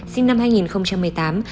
sinh năm hai nghìn một mươi tám